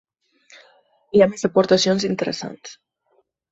Hi ha més aportacions interessants.